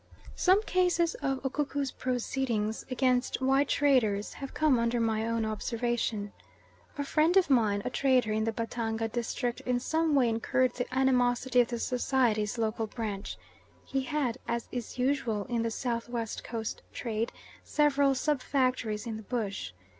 Some cases of Ukuku proceedings against white traders have come under my own observation. A friend of mine, a trader in the Batanga district, in some way incurred the animosity of the society's local branch. He had, as is usual in the South West Coast trade several sub factories in the bush.